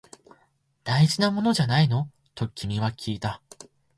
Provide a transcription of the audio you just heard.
大事なものじゃないの？と君はきいた